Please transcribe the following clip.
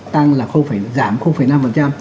tăng là năm